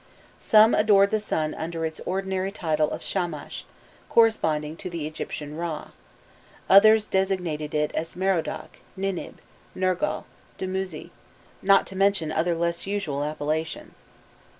Some adored the sun under its ordinary title of Shamash, corresponding to the Egyptian Ra; others designated it as Merodach, Ninib, Nergal, Dumuzi, not to mention other less usual appellations.